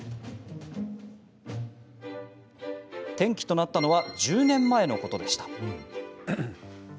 転機となったのは１０年前のことでした。